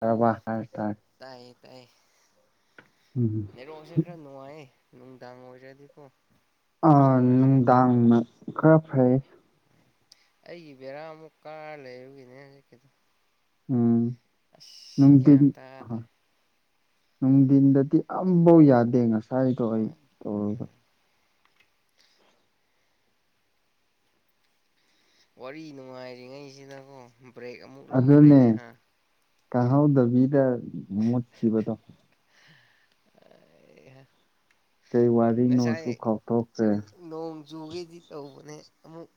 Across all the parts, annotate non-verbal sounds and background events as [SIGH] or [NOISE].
ꯎ ꯇꯥꯔ‌ꯦ-ꯇꯥꯔ‌ꯦ ꯇꯥꯏꯌꯦ ꯎꯝ ꯇꯥꯏꯌꯦꯔꯣꯁꯤꯦ ꯈꯔ ꯅꯨꯡꯉꯥꯏꯌꯦ ꯅꯨꯡꯗꯥꯡ ꯑꯣꯏꯔꯗꯤꯀꯣ ꯑ ꯁꯥꯔꯚꯔꯁꯦ ꯅꯨꯡꯗꯥꯡꯅ ꯈꯔ ꯐꯩ ꯑꯩꯒꯤ ꯕꯦꯔꯥꯃꯨꯛ ꯀꯥꯔ ꯂꯩꯔꯨꯒꯤꯅꯦ ꯍꯧꯖꯤꯛꯀꯤꯗꯣ ꯎꯝ ꯑꯁ ꯅꯪꯗꯤ ꯒ꯭ꯌꯥꯟ ꯇꯥꯗ꯭ꯔꯦ ꯅꯨꯡꯊꯤꯟꯗꯗꯤ ꯑꯃꯕꯧ ꯌꯥꯗꯦ ꯉꯁꯥꯏꯗꯣ ꯑꯩ ꯍꯣꯏ ꯇꯧꯔꯒ ꯋꯥꯔꯤ ꯅꯨꯡꯉꯥꯏꯔꯤꯉꯩꯁꯤꯅꯀꯣ ꯑꯗꯨꯅꯦ ꯀꯪꯍꯧꯗꯕꯤꯗ ꯃꯨꯠꯈꯤꯕꯗꯣ ꯑꯦ [INAUDIBLE] ꯀꯩ ꯋꯥꯔꯤꯅꯣꯁꯨ ꯈꯥꯎꯊꯣꯛꯇ꯭ꯔꯦ ꯅꯣꯡ ꯆꯖꯨꯒꯩꯗꯤ ꯇꯧꯕꯅꯦ ꯑꯃꯨꯛ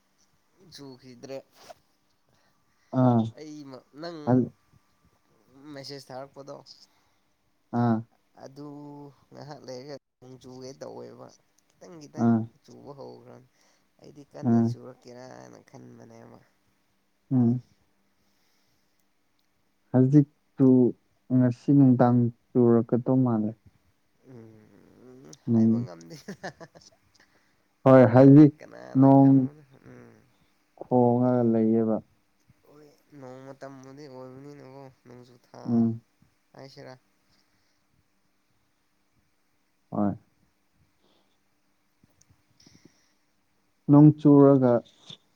ꯆꯨꯈꯤꯗ꯭ꯔꯦ ꯑꯥ ꯑꯩ ꯅꯪ ꯃꯦꯁꯦꯁ ꯊꯥꯔꯛꯄꯗꯣ ꯑꯥ ꯑꯗꯨ ꯉꯥꯏꯍꯥꯛ ꯂꯩꯔꯒ ꯅꯣꯡ ꯆꯨꯒꯦ ꯇꯧꯋꯦꯕ ꯈꯤꯇꯪ-ꯈꯤꯇꯪ ꯑꯥ ꯆꯨꯕ ꯍꯧꯈ꯭ꯔꯅꯤ ꯑꯩꯗꯤ ꯀꯟꯅ ꯎꯝ ꯆꯨꯔꯛꯀꯦꯔꯥꯅ ꯈꯟꯕꯅꯦꯕ ꯎꯝ ꯍꯧꯖꯤꯛꯇꯨ ꯉꯁꯤ ꯅꯨꯡꯗꯥꯡ ꯆꯨꯔꯛꯀꯗꯧ ꯃꯥꯜꯂꯦ ꯎꯝ ꯎꯝ ꯍꯥꯏꯥꯏꯕ ꯉꯝꯗ‌ꯦ ꯍꯣꯏ ꯍꯥꯏꯗꯤ ꯅꯣꯡ ꯈꯪꯕꯅꯣ ꯎꯝ ꯈꯣꯡꯉꯒ ꯂꯩꯌꯦꯕ ꯍꯣꯏ ꯅꯣꯡꯃ ꯇꯕꯨꯗꯤ ꯑꯣꯏꯕꯅꯤꯅꯦꯕꯣ ꯅꯣꯡꯖꯨ ꯊꯥ ꯎꯝ ꯍꯥꯏꯁꯤꯔꯥ ꯍꯣꯏ [UNINTELLIGIBLE] ꯅꯣꯡ ꯆꯨꯔꯒ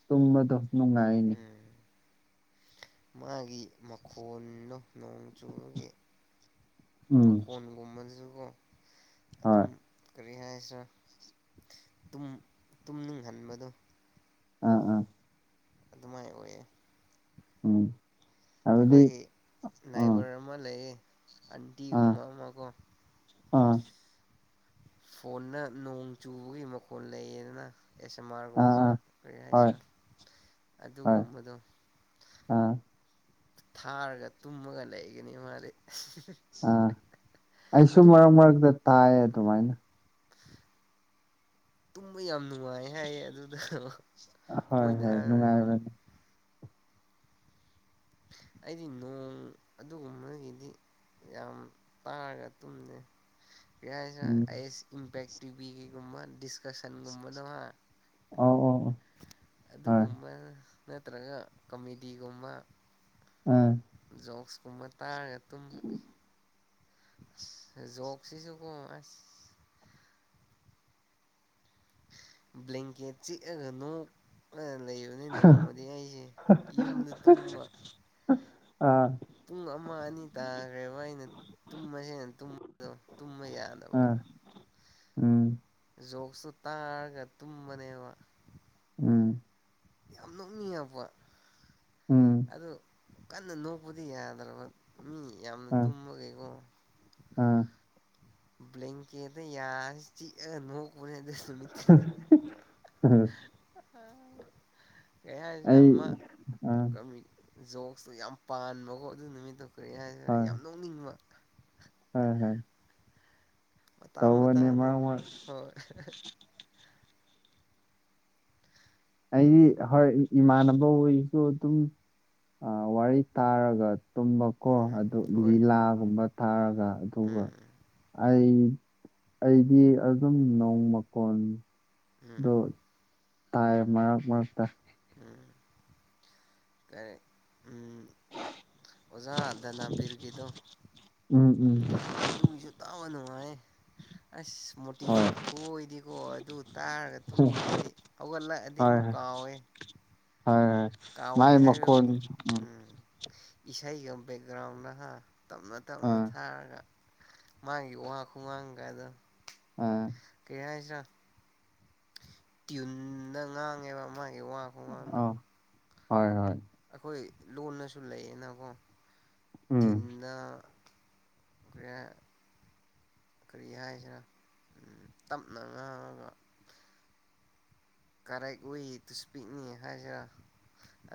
ꯇꯨꯝꯕꯗꯣ ꯅꯨꯡꯉꯥꯏꯅꯤ ꯑ ꯃꯥꯒꯤ ꯃꯈꯣꯟꯗꯣ ꯅꯣꯡ꯫ ꯆꯨꯝꯕꯒꯤ ꯎꯝ ꯃꯈꯣꯟꯒꯨꯝꯕꯁꯨꯀꯣ ꯑꯗꯨꯝ ꯍꯣꯏ ꯀꯔꯤ ꯍꯥꯏꯁꯤꯔ ꯇꯨꯝꯅꯤꯡꯍꯟꯕꯗꯣ ꯑꯥ-ꯑꯥ ꯑꯗꯨꯃꯥꯏꯅ ꯑꯣꯏꯌꯦ ꯎꯝ ꯑꯗꯨꯗꯤ ꯑꯩꯈꯣꯏꯒꯤ ꯎꯝ ꯅꯥꯏꯕꯔ ꯑꯃ ꯂꯩꯌꯦ ꯑꯥ ꯑꯟꯇꯤꯒꯨꯝꯕ ꯑꯃ ꯀ‌ꯣ ꯑꯥ ꯐꯣꯟꯅ ꯅꯣꯡ ꯆꯨꯕꯒꯤ ꯃꯈꯣꯟꯜ ꯂꯩꯌꯦꯗꯅ ꯑꯦꯁ ꯑꯦꯝ ꯑꯥ ꯑꯥꯔꯒꯨꯝꯕ ꯑꯥ ꯀꯔꯤ ꯍꯥꯏꯁꯦ ꯍꯣꯏ ꯍꯣꯏ ꯑꯗꯨꯒꯨꯝꯕꯗꯣ ꯑꯥ ꯊꯥꯔꯒ ꯇꯨꯝꯃꯒ ꯂꯩꯒꯅꯤ ꯃꯥꯗꯤ ꯑꯥ ꯑꯩꯁꯨ ꯇꯨꯝ ꯃꯔꯛ-ꯃꯔꯛꯇ ꯇꯥꯏ ꯎꯝ ꯑꯗꯨꯃꯥꯏꯅ ꯇꯨꯝꯕ ꯌꯥꯝ ꯅꯨꯡꯉꯥꯏ ꯍꯥꯏꯌꯦ ꯑꯗꯨꯗ ꯍꯣꯏ ꯃꯣꯏꯅ ꯍꯣꯏ [INAUDIBLE] ꯅꯨꯡꯉꯥꯏꯕꯅꯤ ꯑꯩꯗꯤ ꯅꯣꯡ ꯑꯗꯨꯒꯨꯝꯕꯒꯤꯗꯤ ꯌꯥꯝ ꯇꯥꯔꯒ ꯇꯨꯝꯗꯦ ꯀꯩ ꯍꯥ‌ꯏꯖꯤꯔꯥ ꯎꯝ ꯑꯥꯏ ꯑꯦꯁ ꯏꯝꯄꯦꯛ ꯇꯤꯚꯤꯒꯤꯒꯨꯝꯕ ꯗꯤꯁꯀꯁꯟꯒꯨꯝꯕꯗ‌ꯣ ꯍꯥ ꯑꯧ ꯑꯧ ꯑꯣ ꯍꯣꯏ ꯑꯗꯨꯒꯨꯝꯕ ꯅꯠꯇ꯭ꯔꯒ ꯀ‌ꯃꯦꯗꯤꯒꯨꯝꯕ ꯎꯝ ꯖꯣꯛꯁꯀꯨꯝꯕ ꯇꯥꯔꯒ ꯇꯨꯝꯕ ꯑꯁ ꯖꯣꯛꯁꯤꯁꯨꯀꯣ ꯑꯁ ꯕ꯭ꯂꯦꯟꯀꯦꯠ ꯆꯤꯛꯑꯒ ꯅ‌ꯣꯛꯂꯒ ꯂꯩꯕ ꯅꯦ ꯅꯣꯡꯃꯗꯤ ꯑꯩꯖꯦ ꯌꯨꯝꯗ ꯇꯨꯝꯕ ꯑꯥ ꯄꯨꯡ ꯑꯃ ꯑꯅꯤ ꯇꯥꯒ꯭ꯔꯦꯕ ꯑꯩꯅ ꯇꯨꯝꯃꯖꯦꯅ ꯇꯨꯝꯕꯗꯣ ꯇꯨꯝꯕ ꯌꯥꯗꯕ ꯑꯥ ꯎꯝ ꯖꯣꯛꯁꯨ ꯇꯥꯔꯒ ꯇꯨꯝꯕꯅꯦꯕ ꯎꯝ ꯌꯥꯝ ꯅꯣꯛꯅꯤꯡꯉꯛꯄ ꯎꯝ ꯑꯗꯨ ꯀꯟꯅ ꯅꯣꯛꯄꯗꯤ ꯌꯥꯗ꯭ꯔꯕ ꯃꯤ ꯌꯥꯝꯅ ꯑꯥ ꯇꯨꯝꯕꯒꯤꯀꯣ ꯑꯥ ꯕ꯭ꯂꯦꯡꯀꯦꯗ ꯌꯥꯅ ꯆꯤꯛꯑꯒ ꯅꯣꯛꯄꯅ‌ꯦ ꯑꯗꯨ ꯅꯨꯃꯤꯠ ꯎꯝ ꯀꯩ ꯍꯥꯏꯖꯤꯔꯥ ꯑꯩ ꯑꯃ ꯑꯥ ꯀꯃꯤ ꯖꯣꯛꯁꯇꯨ ꯌꯥꯝ ꯄꯥꯟꯕꯀꯣ ꯑꯗꯨ ꯅꯨꯃꯤꯠꯇꯨ ꯀꯔꯤ ꯍꯥꯏꯖꯤꯔ ꯍꯣꯏ ꯌꯥꯝ ꯅꯣꯛꯅꯤꯡꯕ ꯍꯣꯏ ꯍꯣꯏ ꯃꯇꯥꯡ ꯇꯧꯕꯅꯦ ꯃꯇꯥꯡꯅꯦ ꯃꯔꯛ ꯃꯔꯛ ꯍꯣꯏ [UNINTELLIGIBLE] ꯑꯩꯗꯤ ꯍꯣꯏ ꯏꯃꯥꯟꯅꯕ ꯑꯣꯏꯌꯨꯁꯨ ꯑꯗꯨꯝ ꯑꯥ ꯋꯥꯔꯤ ꯇꯥꯔꯒ ꯇꯨꯝꯕꯀꯣ ꯎꯝ ꯑꯗꯨ ꯍꯣꯏ ꯔꯤꯂꯤꯂꯥꯒꯨꯝꯕ ꯊꯥꯔꯒ ꯑꯗꯨꯒ ꯎꯝ ꯑꯩ ꯑꯩꯗꯤ ꯑꯗꯨꯝ ꯅꯣꯡ ꯃꯀꯣꯟ ꯎꯝ ꯑꯗꯣ ꯇꯥꯏꯌꯦ ꯃꯔꯛ ꯃꯔꯛꯇ ꯎꯝ ꯀꯔꯤ ꯎꯝ ꯑꯣꯖꯥ ꯗꯅꯕꯤꯔꯒꯤꯗꯣ ꯎꯝ ꯎꯝ ꯑꯗꯨꯒꯤꯖꯨ ꯇꯥꯕ ꯅꯨꯡꯉꯥꯏꯌꯦ ꯑꯁ ꯍꯣꯏ ꯃꯣꯇꯤꯚꯦꯠ ꯈꯨꯑꯣꯏꯗꯤꯀꯣ ꯑꯗꯨ ꯇꯥꯔꯒ ꯍꯣꯏ ꯇꯨꯝꯕꯁꯤꯗꯤ ꯍꯧꯒꯠꯂꯛꯑꯗꯤ ꯍꯣꯏ ꯑꯃꯨꯛ ꯀꯥꯎꯋꯦ ꯍꯣꯏ ꯍꯣꯏ ꯃꯥꯏ ꯀꯥꯎꯋꯦꯍꯦ ꯃꯈꯣꯟ ꯍꯥꯏꯕꯕꯨꯗꯤ ꯎꯝ ꯏꯁꯩꯒ ꯕꯦꯛꯒ꯭ꯔꯥꯎꯟꯅꯥ‌‌ꯍꯥ‌ ꯇꯞꯅ ꯇꯞꯅ ꯑꯥ ꯊꯥꯔꯒ ꯃꯥꯒꯤ ꯋꯥ ꯈꯨꯉꯥꯡꯒꯥꯗ‌ꯣ ꯑꯣ ꯀꯩ ꯍꯥꯏꯖꯤꯔꯥ ꯇ꯭ꯌꯨꯟꯗ ꯉꯥꯡꯉꯦꯕ ꯃꯥꯒꯤ ꯋꯥ ꯈꯨꯉꯥꯡꯗꯣ ꯑꯧ ꯍꯣꯏ ꯍꯣꯏ ꯑꯩꯈꯣꯏ ꯂꯣꯟꯅꯁꯨ ꯂꯩꯌꯦꯅꯀꯣ ꯎꯝ ꯇꯤꯟꯅ ꯀꯔꯤꯍꯥꯏ ꯀꯔꯤ ꯍꯥꯏꯁꯤꯔꯥ ꯇꯞꯅ ꯉꯥꯡꯉꯒ ꯀꯔ‌‌ꯦꯛ ꯋꯦ ꯇꯨ ꯁ꯭ꯄꯤꯛꯅꯤ ꯍꯥꯏꯖꯤꯔꯥ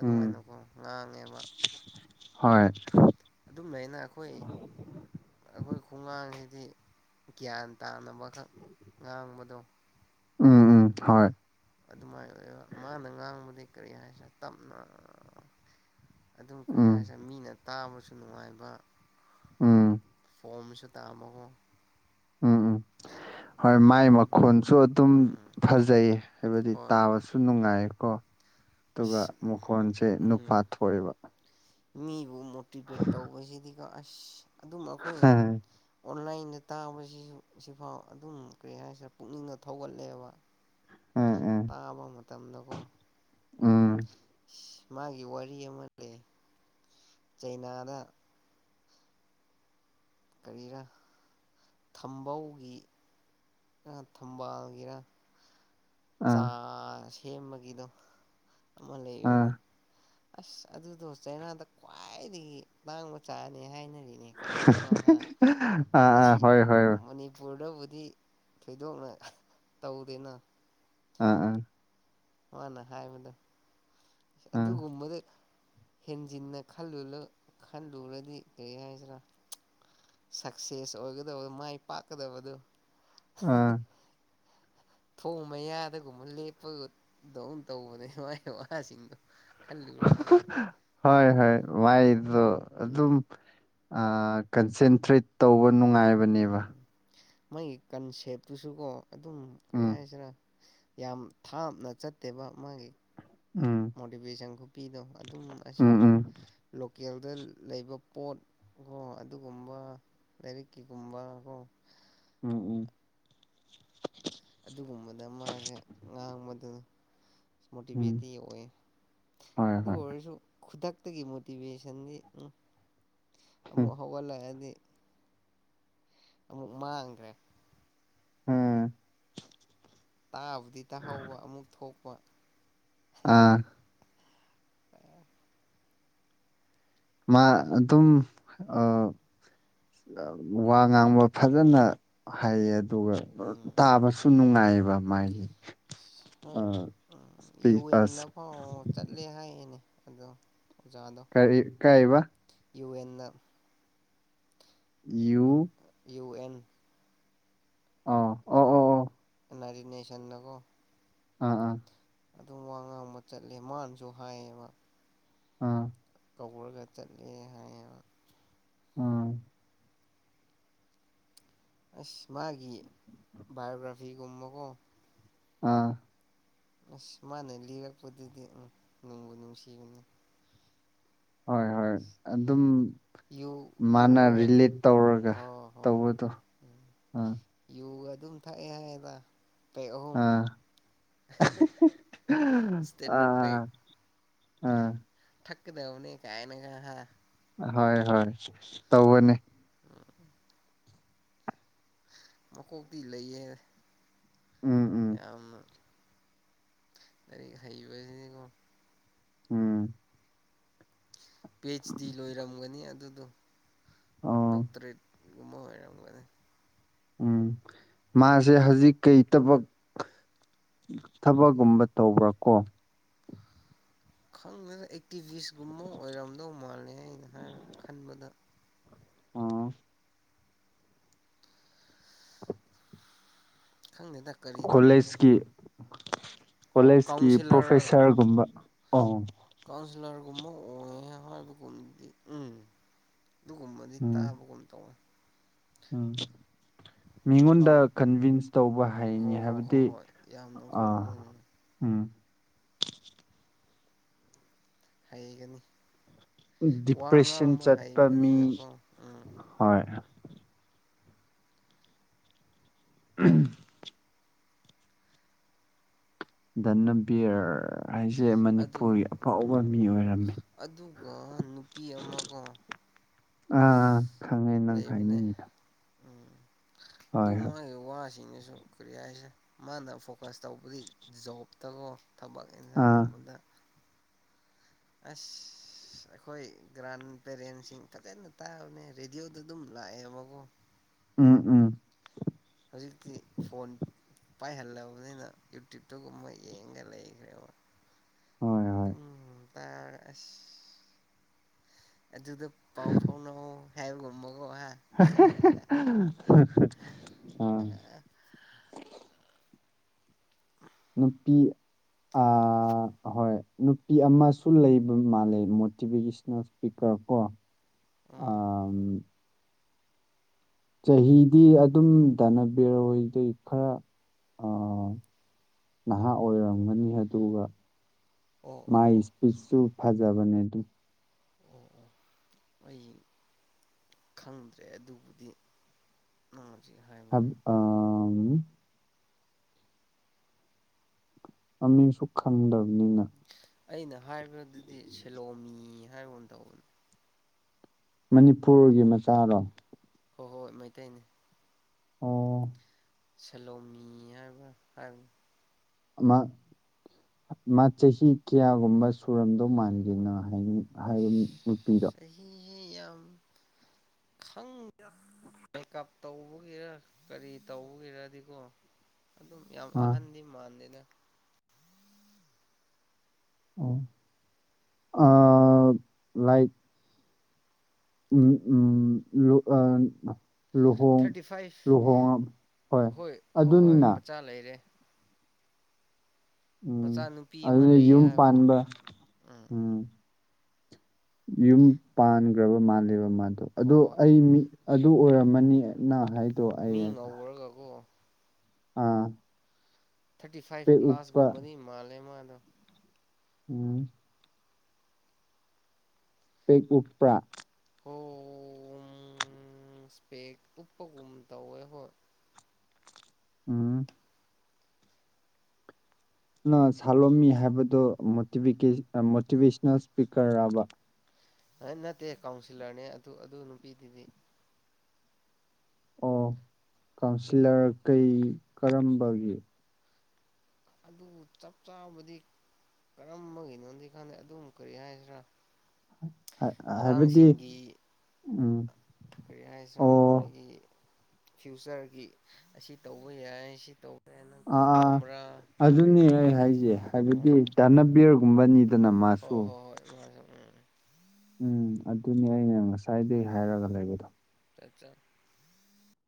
ꯎꯝ ꯉꯥꯡꯉꯦꯕ ꯍꯣꯏ ꯑꯗꯨꯝꯃꯥꯏꯅ ꯑꯩꯈꯣꯏ ꯑꯈꯣꯏ ꯈꯨꯡꯉꯥꯡꯁꯤꯗꯤ ꯒ꯭ꯌꯥꯟ ꯇꯥꯅꯕ ꯈꯛ ꯉꯥꯡꯕꯗꯣ ꯎꯝ ꯎꯝ ꯍꯣꯏ ꯑꯗꯨꯃꯥꯏꯅ ꯑꯣꯏꯕ ꯃꯥꯅ ꯉꯥꯡꯕꯗꯤ ꯀꯔꯤ ꯍꯥꯏꯁꯤꯔꯥ ꯇꯞꯅ ꯑꯗꯨꯝ ꯀꯔꯤ ꯎꯝ ꯍꯥꯏꯁꯤꯔꯥ ꯃꯤꯅ ꯇꯥꯕꯁꯨ ꯅꯨꯡꯉꯥꯏꯕ ꯎꯝ ꯐꯣꯝꯁꯨ ꯇꯥꯃꯣ ꯎꯝ-ꯎꯝ ꯍꯣꯏ ꯃꯥꯏ ꯉꯥꯡꯕꯗꯣ ꯃꯈꯣꯟꯁꯨ ꯑꯗꯨꯝ ꯎꯝ ꯐꯖꯩꯌꯦ ꯍꯥꯏꯕꯗꯤ ꯍꯣꯏ ꯇꯥꯕꯁꯨ ꯅꯨꯡꯉꯥꯏꯀꯣ ꯑꯗꯨꯒ ꯑꯁ ꯃꯈꯣꯟꯁꯦ ꯅꯨꯄꯥ ꯎꯝ ꯊꯣꯛꯑꯦꯕ ꯃꯤꯕꯨ ꯃꯣꯇꯤꯚꯦꯠ ꯇꯧꯕꯁꯤꯗꯤꯀꯣ ꯑꯁ ꯑꯗꯨꯝ ꯑꯩꯈꯣꯏ ꯍꯥꯏ ꯑꯣꯟꯂꯥꯏꯟꯗ ꯇꯥꯕꯁꯤꯁꯨ ꯁꯤꯐꯥꯎ ꯑꯗꯨꯝ ꯀꯔꯤ ꯍꯥꯏꯁꯤꯔ ꯄꯨꯛꯅꯤꯡꯗ ꯊꯧꯒꯠꯂꯦꯕ꯫ ꯎꯝ ꯎꯝ ꯇꯥꯕ ꯃꯇꯝꯗꯀꯣ ꯎꯝ ꯑꯁ ꯃꯥꯒꯤ ꯋꯥꯔꯤ ꯑꯃ ꯂꯩ ꯆꯩꯅꯥꯗ ꯀꯔꯤꯔ ꯊꯝꯕꯧꯒꯤ ꯊꯝꯕꯥꯜꯒꯤꯔ ꯆꯥ ꯑꯥ ꯁꯦꯝꯕꯒꯤꯗꯣ ꯑꯃ ꯂꯩꯕꯅꯦ ꯑꯥ ꯑꯁ ꯑꯗꯨꯗꯣ ꯆꯩꯅꯥꯗ ꯈ꯭ꯋꯥꯏꯗꯒꯤ ꯇꯥꯡꯕ ꯆꯥꯅꯤ ꯍꯥꯏꯅꯔꯤ ꯀꯥꯏꯅꯒꯣ ꯍꯥ ꯑꯥ ꯑꯥ ꯑꯁꯤ ꯍꯣꯏ ꯍꯣꯏ ꯃꯅꯤ꯫ ꯃꯅꯤꯄꯨꯔꯗꯕꯨꯗꯤ ꯊꯣꯏꯗꯣꯛꯅ ꯇꯧꯗꯦꯅ ꯑꯥ ꯑꯥ꯫ ꯃꯥꯅ ꯍꯥꯏꯕꯗꯣ ꯑꯥ ꯑꯗꯨꯒꯨꯝꯕꯗꯤ꯫ ꯍꯦꯟꯖꯤꯟꯅ ꯈꯜꯂꯨꯂ ꯈꯜꯂꯨꯔꯗꯤ ꯀꯔꯤ ꯍꯥꯏꯁꯤꯔꯥ꯫ ꯁꯛꯁꯦꯁ ꯑꯣꯏꯒꯗꯕ ꯃꯥꯏ ꯄꯥꯛꯀꯗꯕꯗꯣ ꯑꯥ ꯊꯣꯡ ꯃꯌꯥꯗꯒꯨꯝꯕ ꯂꯦꯞꯄꯒ ꯗꯨꯝ ꯇꯧꯕꯅꯦ ꯃꯥꯏ ꯋꯥꯁꯤꯡꯗꯣ ꯈꯜꯂꯨꯔꯗꯤ ꯍꯣꯏ ꯍꯣꯏ ꯃꯥꯏꯗꯣ ꯑꯗꯨꯝ꯫ ꯎꯝ ꯑꯥ ꯀꯟꯁꯦꯟꯇ꯭ꯔꯦꯠ ꯇꯧꯕ ꯅꯨꯡꯉꯥꯏ꯫ ꯎꯝ ꯃꯣꯏꯒꯤ ꯀꯟꯁꯦꯞꯇꯨꯁꯨꯀꯣ ꯑꯗꯨꯝ ꯀꯔꯤ ꯎꯝ ꯍꯥꯏꯁꯤꯔꯥ꯫ ꯌꯥꯝ ꯊꯥꯞꯅ ꯆꯠꯇꯦꯕ ꯃꯥꯒꯤ ꯎꯝ꯫ ꯃꯣꯇꯤꯚꯦꯁꯟ ꯈꯨꯄꯤꯗꯣ ꯑꯗꯨꯝ ꯑꯁꯤ ꯎꯝ ꯎꯝ ꯂꯣꯀꯦꯜꯗ ꯂꯩꯕ ꯄꯣꯠ ꯀꯣ ꯑꯗꯨꯒꯨꯝꯕ꯫ ꯂꯩꯔꯤꯛꯀꯤ ꯀꯨꯝꯕꯀꯣ ꯎꯝ ꯎꯝ ꯑꯗꯨꯒꯨꯝꯕꯗ ꯃꯥꯖꯦ ꯉꯥꯡꯕꯗꯨ꯫ ꯎꯝ ꯃꯣꯇꯤꯚꯦꯠꯇꯤ ꯑꯣꯏ ꯍꯣꯏ ꯑꯗꯨ ꯍꯣꯏ ꯑꯣꯏꯔꯁꯨ ꯈꯨꯗꯛꯇꯒꯤ ꯃꯣꯇꯤꯚꯦꯁꯟꯗꯤ ꯎꯝ ꯎꯝ ꯑꯃꯨꯛ ꯍꯧꯒꯠꯂꯛꯑꯗꯤ꯫ ꯑꯃꯨꯛ ꯃꯥꯡꯒ꯭ꯔꯦ꯫ ꯎꯝ ꯇꯥꯕꯨꯗꯤ ꯇꯥꯍꯧꯕ ꯑꯃꯨꯛ ꯊꯣꯛꯄ꯫ ꯑꯥ ꯑꯦ ꯃꯥ ꯑꯗꯨꯝ ꯑ꯫ ꯋꯥ ꯉꯥꯡꯕ ꯐꯖꯅ ꯍꯩꯌꯦ ꯑꯗꯨꯒ꯫ ꯎꯝ ꯇꯥꯕꯁꯨ ꯅꯨꯡꯉꯥꯏꯑꯦꯕ ꯃꯥꯏꯗꯤ ꯍꯣꯏ ꯎꯝ ꯌꯨ ꯑꯦꯟ ꯑꯁ ꯐꯥꯎ ꯆꯠꯂꯦ ꯍꯥꯏꯌꯦꯅꯦ ꯑꯗꯨ ꯑꯣꯖꯥꯗꯣ꯫ ꯀꯔꯤ ꯀꯥꯏꯕ you and you you and. ꯑ ꯑꯣ꯫ ꯑꯣ ꯅꯔꯤꯅꯦꯁꯟꯗꯒꯣ ꯑꯥ ꯑꯥ꯫ ꯑꯗꯨꯝ ꯋꯥ ꯉꯥꯡꯕ ꯆꯠꯂꯦ ꯃꯥꯅꯁꯨ ꯍꯥꯏꯌꯦꯕ꯫ ꯑꯥ ꯀꯧꯔꯒ ꯆꯠꯂꯦ ꯍꯥꯏꯌꯦꯕ ꯎꯝ꯫ ꯑꯁ ꯃꯥꯒꯤ ꯕꯥꯏꯑꯣꯒ꯭ꯔꯥꯐꯤꯒꯨꯝꯕꯀꯣ ꯑꯥ꯫ ꯑꯁ ꯃꯥꯅ ꯂꯤꯔꯛꯄꯗꯨꯗꯤ ꯎꯝ ꯅꯣꯡꯕꯨ ꯅꯨꯡꯁꯤꯕꯅꯤ ꯍꯣꯏ ꯍꯣꯏ ꯑꯗꯨꯝ꯫ ꯌꯨ ꯃꯥꯅ ꯌꯨꯒ ꯔꯤꯂꯤꯠ ꯇꯧꯔꯒ ꯑꯣ ꯍꯣꯏ ꯍꯣꯏ ꯇꯧꯕꯗꯣ ꯎꯝ ꯑꯥ꯫ ꯌꯨꯒ ꯑꯗꯨꯝ ꯊꯛꯑꯦ ꯍꯥꯏꯗ ꯄꯦꯛ ꯑꯍꯨꯝ ꯑꯥ ꯁ꯭ꯇꯦꯟꯗꯔ ꯄꯦꯛ꯫ ꯑꯥ ꯑꯥ ꯊꯛꯀꯗꯧꯕꯅꯤ ꯀꯥꯏꯅꯒ ꯍꯥ ꯍꯣꯏ ꯍꯣꯏ ꯇꯧꯕꯅꯦ꯫ ꯃꯀꯣꯛꯇꯤ ꯂꯩꯌꯦ ꯎꯝ ꯎꯝ ꯌꯥꯝꯅ ꯂꯥꯏꯔꯤꯛ ꯍꯩꯕꯅꯤꯀꯣ꯫ ꯎꯝ ꯄꯤ ꯑꯩꯆ ꯗꯤ ꯂꯣꯏꯔꯝꯒꯅꯤ ꯑꯗꯨꯗꯣ ꯑꯣ ꯗꯣꯛꯇꯔꯦꯠꯒꯨꯝꯕ ꯑꯣꯏꯔꯝꯒꯅꯤ ꯎꯝ ꯃꯥꯁꯦ ꯍꯧꯖꯤꯛ ꯀꯩ ꯊꯕꯛ꯫ ꯊꯕꯛꯒꯨꯝꯕ ꯇꯧꯕ꯭ꯔꯥ ꯀꯣ ꯈꯪꯗꯦꯗ ꯑꯦꯛꯇꯤꯚꯤꯁꯒꯨꯝꯕ ꯑꯣꯏꯔꯝꯗꯧ ꯃꯥꯜꯂꯦ ꯑꯩꯅ ꯍꯥꯏꯅ ꯈꯟꯕꯗ꯫ ꯑꯣ꯫ ꯈꯪꯗꯗ ꯀꯣꯂꯦꯖꯀꯤ ꯑꯣ ꯀꯣꯂꯦꯖꯀꯤ ꯀꯥꯎꯟꯁꯤꯂꯔ ꯄ꯭ꯔꯣꯐꯦꯁꯔꯒꯨꯝꯕ ꯑ ꯀꯥꯎꯟꯁꯤꯂꯔ ꯀꯨꯝꯕ ꯑꯣ ꯍꯕ ꯀꯨꯝꯗꯤ ꯎꯝ ꯑꯗꯨꯒꯨꯝꯕꯗꯤ ꯎꯝ ꯇꯥꯕꯒꯨꯝ ꯇꯧꯋꯦ꯫ ꯎꯝ꯫ ꯃꯤꯉꯣꯟꯗ ꯑꯪ ꯀꯟꯚꯤꯟꯁ ꯇꯧꯕ ꯍꯣ ꯍꯥꯏꯩꯅꯤ ꯍꯣ ꯍꯣ ꯍꯥꯏꯕꯗꯤ ꯍꯣꯏ ꯌꯥꯝꯅꯀꯣ ꯑꯥ ꯎꯝ ꯎꯝ ꯍꯩꯒꯅꯤ ꯋꯥ ꯗꯤꯄ꯭ꯔꯦꯁꯟ ꯉꯥꯡꯕ ꯆꯠꯄ ꯃꯤ ꯍꯩꯕꯅꯤꯅꯀꯣ ꯎꯝ꯫ ꯍꯣꯏ ꯎꯝ ꯅꯕꯤꯌꯔ ꯑꯩꯁꯦ ꯑꯗꯨ ꯃꯅꯤꯄꯨꯔꯒꯤ ꯑꯐꯥꯎꯕ ꯎꯝ ꯃꯤ ꯑꯣꯏꯔꯝꯃꯤ ꯑꯗꯨꯒ ꯅꯨꯄꯤ ꯑꯃꯀꯣ ꯑꯥ ꯈꯪꯉꯦ ꯅꯪ ꯂꯩꯕꯅꯦ ꯈꯥꯏꯅꯤꯗ ꯎꯝ ꯑꯗꯨ ꯃꯣꯏ ꯋꯥꯁꯤꯡꯅꯁꯨ ꯀꯔꯤ ꯍꯥꯏꯁꯦ ꯃꯥꯅ ꯐꯣꯀꯁ ꯇꯧꯕꯗꯤ ꯖꯣꯕꯇꯀꯣ ꯊꯕꯛ꯫ [UNINTELLIGIBLE] ꯑꯥ ꯑꯁ꯫ ꯑꯁ ꯑꯩꯈꯣꯏ ꯒ꯭ꯔꯥꯟ ꯄꯦꯔꯦꯟꯁꯤꯡ ꯐꯖꯅ ꯇꯥꯕꯅꯦ ꯔꯦꯗꯤꯑꯣꯗ ꯑꯗꯨꯝ ꯂꯥꯛꯑꯦꯕꯀꯣ ꯎꯝ ꯎꯝ꯫ ꯍꯧꯖꯤꯛꯇꯤ ꯐꯣꯟ꯫ ꯄꯥꯏꯍꯜꯂꯕꯅꯤꯅ ꯌꯨꯇ꯭ꯌꯨꯞꯇꯣ ꯃꯣꯏ ꯌꯦꯡꯉ ꯂꯩꯒ꯭ꯔꯦꯕ꯫ ꯍꯣꯏ ꯍꯣꯏ ꯑꯗꯨꯝ ꯇ ꯑꯁ ꯑꯗꯨꯗ ꯄꯥꯎ ꯐꯥꯎꯅꯍꯧ ꯍꯥꯏꯕꯒꯨꯝꯕꯀꯣ ꯍꯥ꯫ [UNINTELLIGIBLE] ꯑ ꯍ ꯅꯨꯄꯤ꯫ ꯑ ꯍꯣꯏ ꯅꯨꯄꯤ ꯑꯃꯁꯨ ꯂꯩꯕ ꯃꯥꯜꯂꯦ ꯃꯣꯇꯤꯚꯦꯁꯜ ꯄꯤꯀ꯭ꯔꯄꯣ꯫ [INAUDIBLE] ꯑꯝ꯫ ꯆꯍꯤꯗꯤ ꯑꯗꯨꯝ ꯊꯅꯕꯤꯔ ꯍꯣꯏꯗꯩ ꯈꯔ ꯑ ꯅꯍꯥ ꯑꯣꯏꯔꯝꯒꯅꯤ ꯑꯗꯨꯒ ꯑꯣ ꯑꯣ ꯃꯥꯏ ꯑꯣ ꯏꯁꯄꯤꯁꯁꯨ ꯐꯖꯕꯅꯦ ꯑꯗꯨꯝ꯫ ꯑꯣ ꯑꯣ ꯑꯩ ꯈꯪꯗ꯭ꯔꯦ ꯑꯗꯨꯕꯨꯗꯤ ꯅꯪ ꯍꯨꯖꯤꯛ ꯍꯥꯏꯕꯗꯣ ꯃꯃꯤꯡꯁꯨ ꯈꯪꯗꯕꯅꯤꯅ ꯑꯩꯅ ꯍꯥꯏꯕꯗꯨꯗꯤ ꯁꯦꯂꯣꯃꯤ ꯍꯥꯏꯕ ꯇꯧꯕꯅꯤ ꯃꯅꯤꯄꯨꯔꯒꯤ ꯃꯆꯥꯔꯣ ꯍꯣꯏ ꯍꯣꯏ ꯃꯩꯇꯩꯅꯤ ꯑꯣ ꯁꯦꯂꯣꯃꯤ ꯍꯥꯏꯕ ꯍꯥꯏꯕ ꯃꯥ ꯆꯍꯤ ꯀꯌꯥꯒꯨꯝꯕ ꯁꯨꯔꯝꯗꯧ ꯃꯥꯟꯒꯦꯅꯣ ꯍꯥꯏ ꯍꯥꯏꯔꯤꯕ ꯅꯨꯄꯤꯗꯣ ꯆꯍꯤꯌꯥꯝ ꯈꯪ ꯃꯦꯀꯞ ꯇꯧꯕꯒꯤꯔ ꯀꯔꯤ ꯇꯧꯕꯒꯤꯔꯗꯤꯀꯣ ꯑꯗꯨꯝ ꯌꯥꯝ ꯑꯥ ꯑꯍꯟꯗꯤ ꯃꯥꯟꯗꯦꯅ ꯑꯣ ꯂꯥꯏꯛ ꯎꯝ ꯎꯝ ꯂ ꯑ ꯂꯨꯍꯣꯡ ꯊꯥꯔꯇꯤ ꯐꯥꯏꯚ ꯂꯨꯍꯣꯡꯉꯛꯕ ꯍꯣꯏ ꯍꯣꯏ ꯍꯣꯏ ꯑꯗꯨꯅꯤꯅ ꯃꯆꯥ ꯂꯩꯔꯦ ꯎꯝ ꯃꯆꯥꯅꯨꯄꯤ ꯑꯃ ꯑꯗꯨꯅ ꯂꯩꯌꯦ ꯌꯨꯝ ꯍꯥꯏꯕꯒꯨꯝ ꯄꯥꯟꯕ ꯎꯝ ꯌꯨꯝ ꯄꯥꯟꯈ꯭ꯔꯕ ꯃꯥꯜꯂꯦꯕ ꯃꯥꯗꯣ ꯑꯗꯣ ꯍꯣꯏ ꯍꯣꯏ ꯑꯩ ꯃꯤ ꯑꯗꯨ ꯑꯣꯏꯔꯝꯃꯅꯤ ꯑꯩꯅ ꯍꯥꯏ ꯃꯤ ꯉꯧꯔꯒꯀꯣ ꯑꯥ ꯊꯥꯔꯇꯤ ꯐꯥꯏꯚ ꯄꯦꯛ ꯎꯞꯄ ꯄ꯭ꯂꯥꯁꯒꯨꯝꯕꯅꯤ ꯃꯥꯜꯂꯦ ꯃꯥꯗꯣ ꯎꯝ ꯁꯄꯦꯛ ꯎꯞꯄ꯭ꯔꯥ ꯍꯣ ꯏꯁꯄꯦꯛ ꯎꯞꯄꯒꯨꯝ ꯇꯧꯋꯦ ꯍꯣꯏ ꯎꯝ ꯁꯥꯂꯣꯃꯤ ꯍꯥꯏꯕꯗꯣ ꯃꯣꯇꯤꯚꯦꯁꯅꯦꯜ ꯏꯁꯄꯤꯀꯔꯕ ꯑ ꯅꯠꯇꯦ ꯀꯥꯎꯟꯁꯤꯜꯂꯔꯅꯦ ꯑꯗꯨ ꯑꯗꯨ ꯅꯨꯄꯤꯗꯨꯗꯤ ꯀꯥꯎꯟꯁꯤꯜꯂꯔ ꯀꯩ ꯀꯔꯝꯕꯒꯤ ꯑꯗꯨꯕꯨ ꯆꯞ ꯆꯥꯕꯗꯤ ꯀꯔꯝꯕꯒꯤꯅꯣꯗꯤ ꯈꯪꯗꯦ ꯑꯗꯨꯝ ꯀꯔꯤ ꯍꯥꯏꯁꯤꯔꯥ ꯍꯥꯏꯕꯗꯤ ꯑꯉꯥꯡꯁꯤꯡꯒꯤ ꯎꯝ ꯀꯔꯤ ꯍꯥꯏꯁꯤꯔ ꯑꯣ ꯃꯣꯏꯒꯤ ꯐ꯭ꯌꯨꯆꯔꯒꯤ ꯑꯁꯤ ꯇꯧꯕ ꯌꯥꯏ ꯁꯤ ꯇꯧꯕ ꯌꯥꯏ ꯅꯪ ꯀꯔꯤ ꯑꯥ ꯑꯥ ꯄꯥꯝꯕ꯭ꯔꯥ ꯀꯔꯤ ꯑꯗꯨꯅꯤ ꯇꯧ ꯑꯩ ꯍꯥꯏꯁꯦ ꯍꯥꯏꯕꯗꯤ ꯑꯥ ꯊꯅꯕꯤꯔ ꯀꯨꯝꯕꯅꯤꯗꯅ ꯑꯥ ꯃꯥꯁꯨ ꯍꯣꯏ ꯍꯣꯏ ꯍꯣꯏ ꯃꯥꯁꯨ ꯎꯝ ꯎꯝ ꯑꯗꯨꯅꯤ ꯑꯩꯅ ꯉꯁꯥꯏꯗꯒꯤ ꯍꯥꯏꯔꯒ ꯂꯩꯕꯗꯣ ꯆ ꯆ [INAUDIBLE]